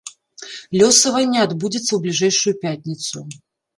Лёсаванне адбудзецца ў бліжэйшую пятніцу.